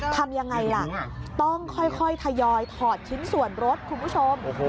ทำยังไงล่ะต้องค่อยทยอยถอดชิ้นส่วนรถคุณผู้ชม